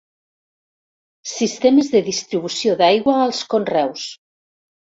Sistemes de distribució d'aigua als conreus.